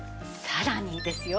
さらにですよ